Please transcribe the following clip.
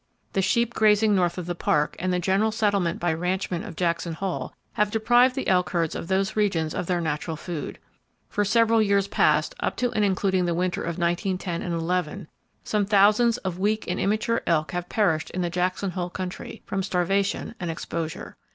The sheep grazing north of the Park, and the general settlement by ranchmen of Jackson Hole, have deprived the elk herds of those regions of their natural food. For several years past, up to and including the winter of 1910 11, some thousands of weak and immature elk have perished in the Jackson Hole country, from starvation and exposure.